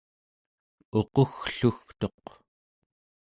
uqugglugtuq